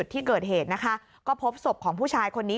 ที่เกิดเหตุนะคะก็พบศพของผู้ชายคนนี้